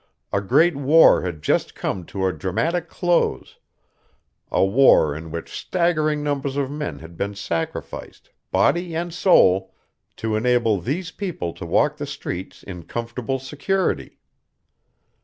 A great war had just come to a dramatic close, a war in which staggering numbers of men had been sacrificed, body and soul, to enable these people to walk the streets in comfortable security.